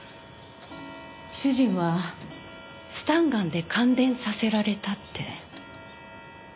主人はスタンガンで感電させられたって。